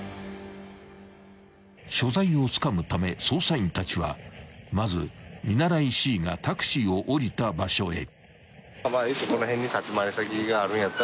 ［所在をつかむため捜査員たちはまず見習いＣがタクシーを降りた場所へ］